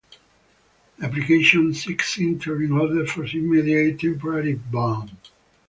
The application seeks interim orders for immediate temporary ban.